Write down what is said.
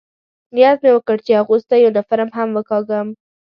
نیت مې وکړ، چې اغوستی یونیفورم هم وکاږم.